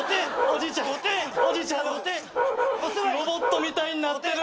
ロボットみたいになってる！